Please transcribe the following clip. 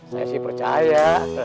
saya sih percaya